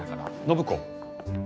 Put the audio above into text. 暢子。